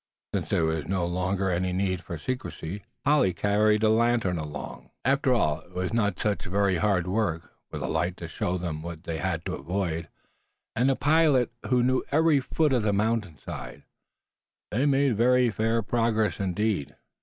Since there was no longer any need for secrecy, Polly carried the lantern along. After all, it was not such very hard work. With a light to show them what they had to avoid, and a pilot who knew every foot of the mountainside, they made very fair progress indeed.